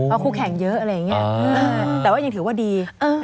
พบครูแข็งเยอะแต่ยังถือว่าดี